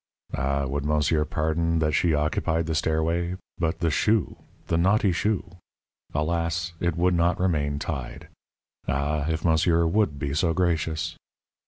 Ah, would monsieur pardon that she occupied the stairway, but the shoe! the naughty shoe! Alas! it would not remain tied. Ah! if monsieur would be so gracious!